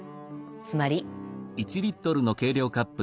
つまり。